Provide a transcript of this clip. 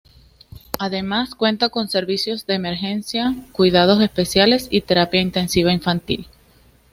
Además cuenta con servicios de emergencia, cuidados especiales y terapia intensiva infantil.